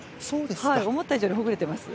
思った以上にほぐれてます。